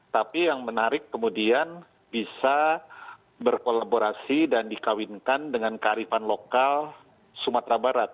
tapi yang menarik kemudian bisa berkolaborasi dan dikawinkan dengan kearifan lokal sumatera barat